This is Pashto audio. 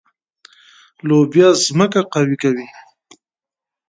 لوبیا ځمکه قوي کوي.